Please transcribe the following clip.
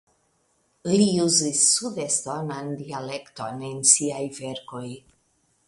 Li uzis sudestonan dialekton en siaj verkoj.